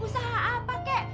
usaha apa kek